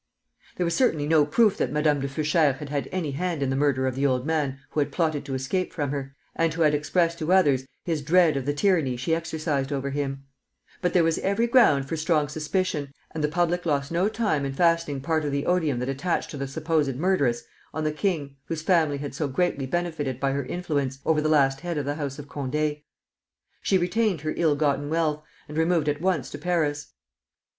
There was certainly no proof that Madame de Feuchères had had any hand in the murder of the old man who had plotted to escape from her, and who had expressed to others his dread of the tyranny she exercised over him; but there was every ground for strong suspicion, and the public lost no time in fastening part of the odium that attached to the supposed murderess on the king, whose family had so greatly benefited by her influence over the last head of the house of Condé. She retained her ill gotten wealth, and removed at once to Paris.